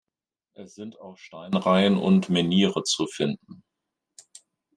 Es sind auch Steinreihen und Menhire zu finden.